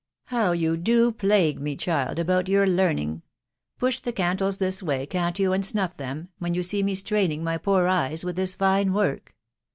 "How you do plague me, child, about your learning! Push the candles this way, can't you, and snuff them, when you see me straining my poor eyes with this fine work